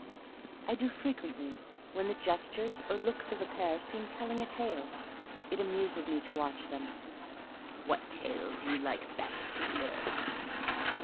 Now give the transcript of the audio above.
"I do frequently; when the gestures or looks of a pair seem telling a tale: it amuses me to watch them." "What tale do you like best to hear?"